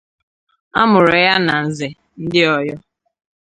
Amuru ya na nze ndi Oyo.